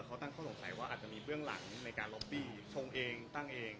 เขาตั้งข้อสงสัยว่าอาจจะมีเบื้องหลังในการล็อบบี้ชงเองตั้งเอง